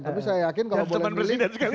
tapi saya yakin kalau boleh milih